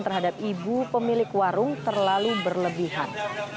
terhadap ibu pemilik warung terlalu berlebihan